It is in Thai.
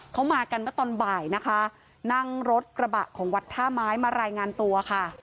เขามากันเมื่อตอนบ่ายนะคะนั่งรถกระบะของวัดท่าไม้มารายงานตัวค่ะ